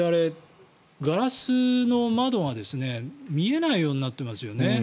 ガラスの窓が見えないようになってますよね。